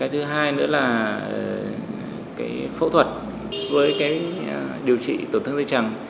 thứ hai nữa là cái phẫu thuật với cái điều trị tổn thương dây chẳng